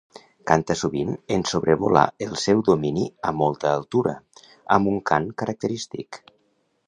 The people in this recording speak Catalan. Canta sovint en sobrevolar el seu domini a molta altura, amb un cant característic.